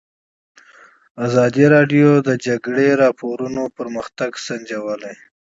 ازادي راډیو د د جګړې راپورونه پرمختګ سنجولی.